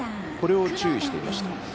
これを注意していました。